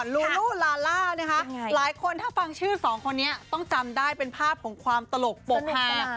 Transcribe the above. ลูลูลาล่านะคะหลายคนถ้าฟังชื่อสองคนนี้ต้องจำได้เป็นภาพของความตลกปกฮา